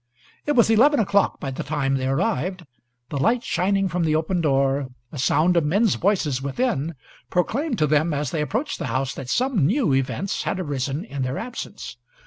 It was eleven o'clock by the time they arrived. The light shining from the open door, a sound of men's voices within, proclaimed to them, as they approached the house, that some new events had arisen in their absence.